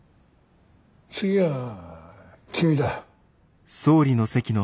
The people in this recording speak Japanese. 次は君だ。